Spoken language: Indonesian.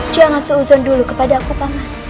jangan berusaha duri dulu ps